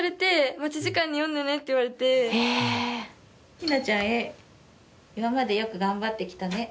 「ひなちゃんへ今までよく頑張ってきたね。